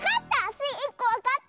スイ１こわかった！